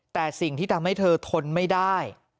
แต่สิ่งที่ทำให้เธอทนไม่ได้